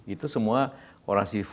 itu semua orang si